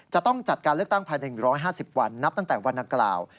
จะต้องจัดการเลือกตั้งภายใน๑๕๐วันนับตั้งแต่วันนั้นกล่าว